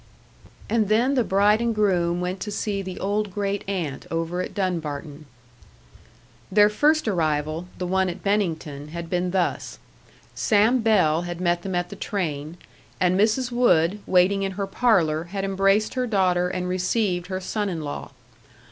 And then the bride and groom went to see the old great aunt over at Dunbarton. Their first arrival, the one at Bennington, had been thus: Sam Bell had met them at the train, and Mrs. Wood, waiting in her parlor, had embraced her daughter and received her son in law.